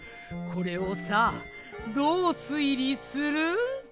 これをさあどうすい理する？